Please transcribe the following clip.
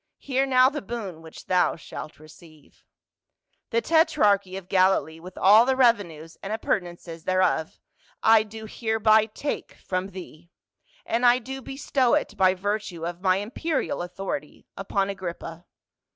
" Hear now CAWS, THE QOD. 165 the boon which thou shalt receive : the tetrachy of Galilee, with all the revenues and appurtenances there of, I do hereby take from thee ; and I do bestow it, by virtue of my imperial authority, u[)on Agrippa.